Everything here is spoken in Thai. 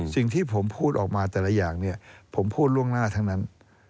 สิ่งที่ผมพูดออกมาแต่ละอย่างเนี่ยผมพูดล่วงหน้าทั้งนั้น